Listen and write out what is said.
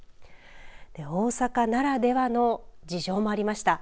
大阪ならではの事情もありました。